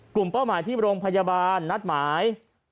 กลุ่มเป้าหมายที่โรงพยาบาลนัดหมาย๕๐